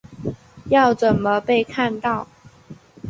要怎么被看到